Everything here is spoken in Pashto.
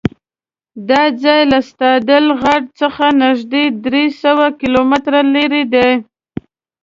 دا ځای له ستادل غار څخه نږدې درېسوه کیلومتره لرې دی.